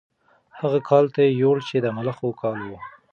هغه کال ته یې یوړ چې د ملخو کال و.